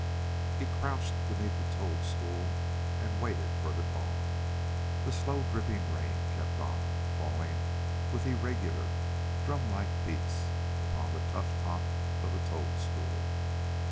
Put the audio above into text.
He crouched beneath a squat toadstool and waited for the dawn. The slow dripping rain kept on, falling with irregular, drum like beats upon the tough top of the toadstool.